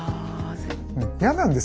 嫌なんですよ